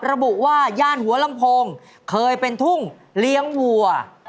ระบุว่าย่านหัวลำโพงเคยเป็นทุ่งเลี้ยงวัว